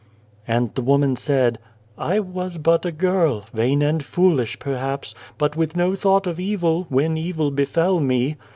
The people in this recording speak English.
And the woman said :" I was but a girl vain and foolish, perhaps, but with no thought of evil when evil befell me.